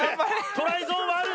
トライゾーンはある